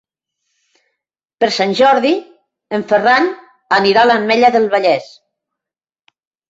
Per Sant Jordi en Ferran anirà a l'Ametlla del Vallès.